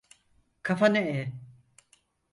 Kafanı eğ.